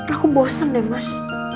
aku bosen deh mas